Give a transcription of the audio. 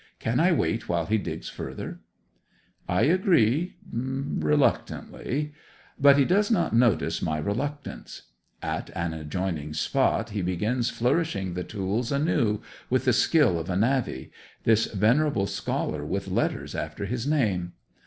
Can I wait while he digs further? I agree reluctantly; but he does not notice my reluctance. At an adjoining spot he begins flourishing the tools anew with the skill of a navvy, this venerable scholar with letters after his name.